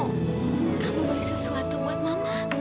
kamu beli sesuatu buat mama